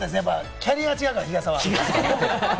キャリアが違うから、日傘は。